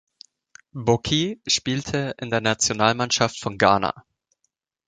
Boakye spielte in der Nationalmannschaft von Ghana.